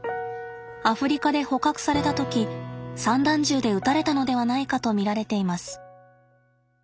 アフリカで捕獲された時散弾銃で撃たれたのではないかと見られています。